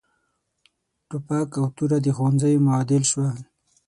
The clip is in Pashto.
ټوپک او توره د ښوونځیو معادل شول.